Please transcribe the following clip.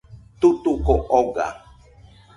Tutuko oga